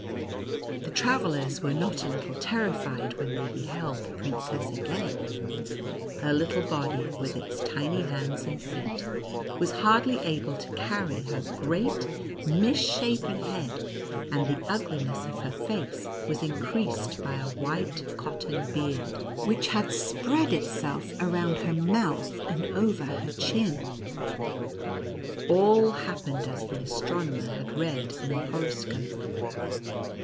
The travel lers were not a little terrified when they beheld the princess again. Her little body, with its tiny hands and feet, was hardly able to carry her great misshapen head, and the ugliness of her face was increased by a white cotton beard, which had spread itself around her mouth, and over her chin. All happened as the astrono mer had read in the horoscope.